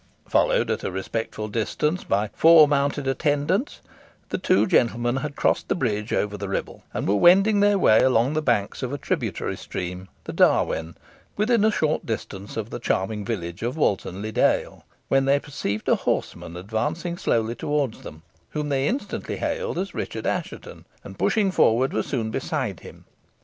Followed at a respectful distance by four mounted attendants, the two gentlemen had crossed the bridge over the Ribble, and were wending their way along the banks of a tributary stream, the Darwen, within a short distance of the charming village of Walton le Dale, when they perceived a horseman advancing slowly towards them, whom they instantly hailed as Richard Assheton, and pushing forward, were soon beside him.